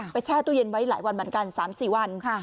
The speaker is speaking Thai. แช่ตู้เย็นไว้หลายวันเหมือนกัน๓๔วัน